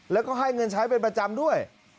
แล้วก็ให้เงินใช้เป็นประจำด้วย